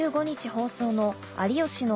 放送の『有吉の！